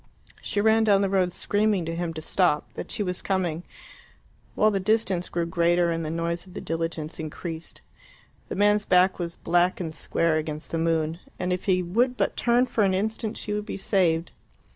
She ran down the road screaming to him to stop that she was coming; while the distance grew greater and the noise of the diligence increased. The man's back was black and square against the moon, and if he would but turn for an instant she would be saved.